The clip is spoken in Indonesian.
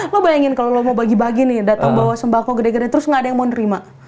lo bayangin kalau lo mau bagi bagi nih datang bawa sembako gede gede terus nggak ada yang mau nerima